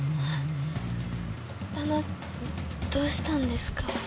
あのどうしたんですか？